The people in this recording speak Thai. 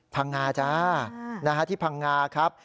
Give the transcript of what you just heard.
พังงาจ้าที่พังงาครับ